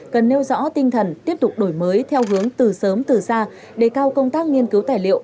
cần nêu rõ tinh thần tiếp tục đổi mới theo hướng từ sớm từ xa để cao công tác nghiên cứu tài liệu